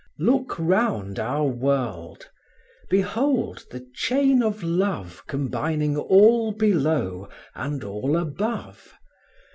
Look round our world; behold the chain of love Combining all below and all above.